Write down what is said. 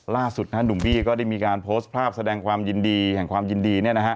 ล่าสุดดุ่มบี้ก็ได้มีการโพสต์ภาพแสดงความยินดี